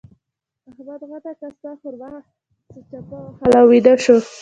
احمد غټه کاسه ښوروا څپه وهله او ويده شو.